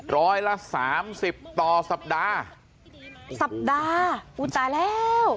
ร้อยละสามสิบต่อสัปดาห์สัปดาห์อุ้ยตายแล้ว